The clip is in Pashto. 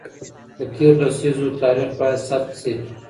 د تېرو لسیزو تاریخ باید ثبت سي.